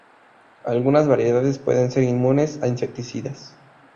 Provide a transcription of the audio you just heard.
Algunas variedades pueden ser inmunes a insecticidas.